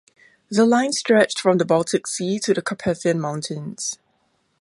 The line stretched from the Baltic Sea to the Carpathian Mountains.